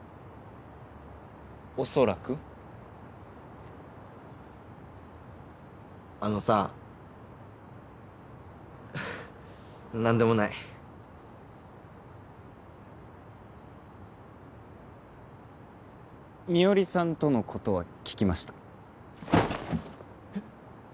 恐らくあのさ何でもない美織さんとのことは聞きましたえっ！？